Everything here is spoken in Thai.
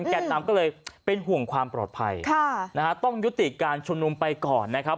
แก่นนำก็เลยเป็นห่วงความปลอดภัยค่ะนะฮะต้องยุติการชุมนุมไปก่อนนะครับ